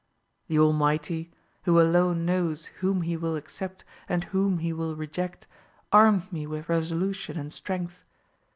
The Almighty, who alone knows whom He will accept and whom He will reject, armed me with resolution and strength.